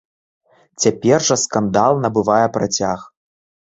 Цяпер жа скандал набывае працяг.